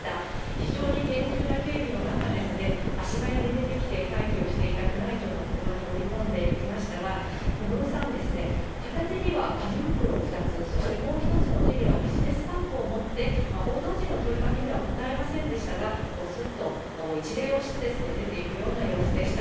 非常に厳重な警備の中ですね、足早に出てきて、待機をしていた宮内庁の車に乗り込んでいきましたが、小室さん、片手には紙袋を２つ、そしてもう１つの手にはビジネスバッグを持って、報道陣の問いかけには答えませんでしたが、すっと一礼をして、出ていくような様子でした。